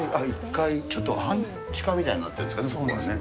１階、ちょっと半地下みたいになってるんですかね。